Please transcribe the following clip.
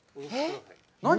何？